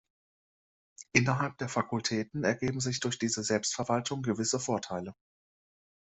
Innerhalb der Fakultäten ergeben sich durch diese Selbstverwaltung gewisse Vorteile.